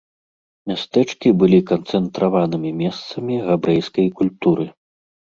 Мястэчкі былі канцэнтраванымі месцамі габрэйскай культуры.